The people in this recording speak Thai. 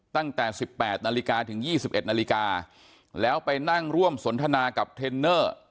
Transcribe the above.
ตั้งแต่๑๘นาฬิกาถึง๒๑นาฬิกาแล้วไปนั่งร่วมสนทนากับเทรนเนอร์